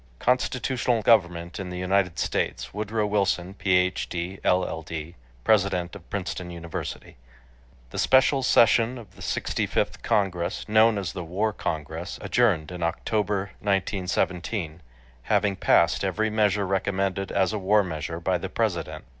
—"Constitutional Government in the United States." Woodrow Wilson, Ph.D., LL.D., President of Princeton University. The special session of the 65th Congress, known as the "War Congress," adjourned in October, 1917, having passed every measure recommended as a war measure by the President.